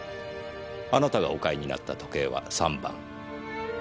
あなたがお買いになった時計は３番。